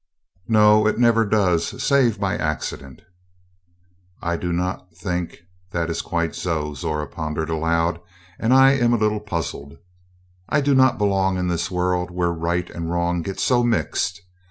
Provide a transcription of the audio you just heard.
"No. It never does save by accident." "I do not think that is quite so," Zora pondered aloud, "and I am a little puzzled. I do not belong in this world where Right and Wrong get so mixed.